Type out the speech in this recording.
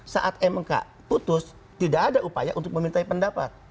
saat mk putus tidak ada upaya untuk memintai pendapat